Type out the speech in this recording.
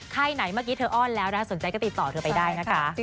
ไหนเมื่อกี้เธออ้อนแล้วนะคะสนใจก็ติดต่อเธอไปได้นะคะ